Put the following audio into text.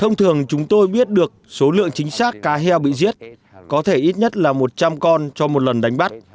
thông thường chúng tôi biết được số lượng chính xác cá heo bị giết có thể ít nhất là một trăm linh con cho một lần đánh bắt